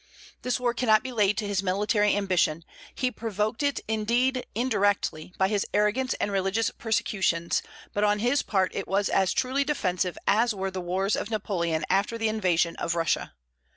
This war cannot be laid to his military ambition; he provoked it indeed, indirectly, by his arrogance and religious persecutions, but on his part it was as truly defensive as were the wars of Napoleon after the invasion of Russia.